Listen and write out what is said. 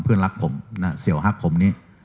เพื่อนรักผมน่ะเสี่ยวฮั้นตร์ผมนี้